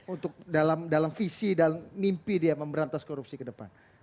untuk dalam visi dan mimpi dia memberantas korupsi ke depan